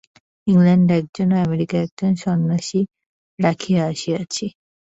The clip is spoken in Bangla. ইংলণ্ডে একজন ও আমেরিকায় একজন সন্ন্যাসী রাখিয়া আসিয়াছি।